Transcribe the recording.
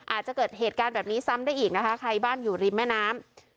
อาจจะเกิดเหตุการณ์แบบนี้ซ้ำได้อีกนะคะใครบ้านอยู่ริมแม่น้ำ